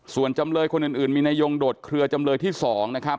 ส่วนจำเลยคนอื่นมีนายงโดดเคลือจำเลยที่๒นะครับ